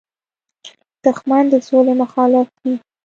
دښمن د سولې مخالف وي